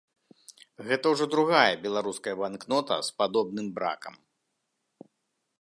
Гэта ўжо другая беларуская банкнота з падобным бракам.